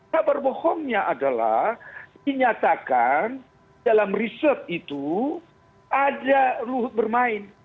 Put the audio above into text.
kabar bohongnya adalah dinyatakan dalam riset itu ada luhut bermain